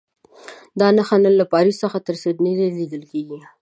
دا نښه نن له پاریس تر سیډني لیدل کېږي.